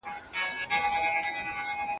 لاندي باندي یو په بل کي سره بندي